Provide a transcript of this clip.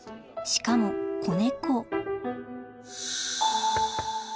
しかも子猫